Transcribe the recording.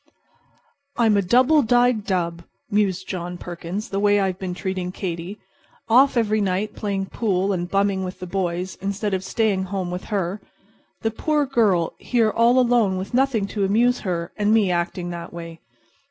"I'm a double dyed dub," mused John Perkins, "the way I've been treating Katy. Off every night playing pool and bumming with the boys instead of staying home with her. The poor girl here all alone with nothing to amuse her, and me acting that way!